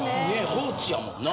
放置やもんな。